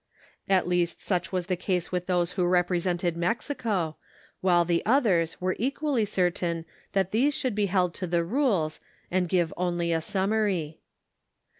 At last such was the case with those who represented Mexico, while the others were equally certain that these should be held to the rules, and give only a summary.